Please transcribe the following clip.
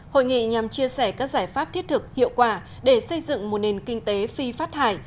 hội nghị nhằm chia sẻ các giải pháp thiết thực hiệu quả để xây dựng một nền kinh tế phi phát hải